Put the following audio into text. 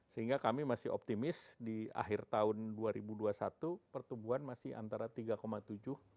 sehingga kami masih optimis di akhir tahun dua ribu dua puluh satu pertumbuhan masih antara tiga tujuh